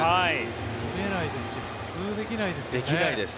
見れないですし普通、できないですよね。